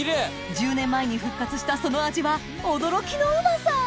１０年前に復活したその味は驚きのうまさ！